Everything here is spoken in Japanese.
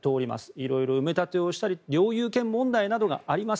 いろいろ埋め立てをしたり領有権問題などがあります。